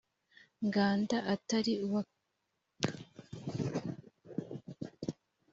nganda atari uwakivumbuye cyangwa